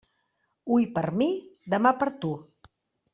Hui per mi, demà per tu.